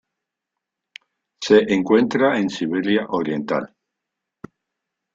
Se encuentra en Siberia oriental.